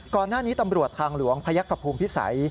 ก่อนหน้านี้ตำรวจทางหลวงพยักษภูมิพิสัย